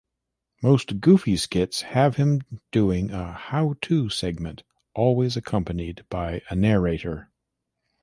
Most Goofy skits have him doing a "how-to" segment, always accompanied by a narrator.